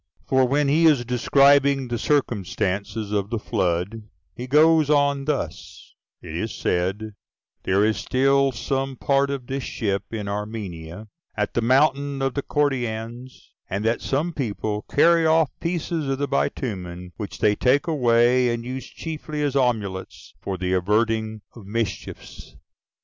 For when he is describing the circumstances of the flood, he goes on thus: "It is said there is still some part of this ship in Armenia, at the mountain of the Cordyaeans; and that some people carry off pieces of the bitumen, which they take away, and use chiefly as amulets for the averting of mischiefs."